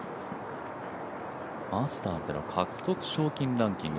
マスターズでの獲得賞金ランキング